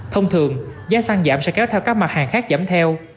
thông thường giá xăng giảm sẽ kéo theo các mặt hàng khác giảm theo